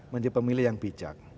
menjadi pemilih yang bijak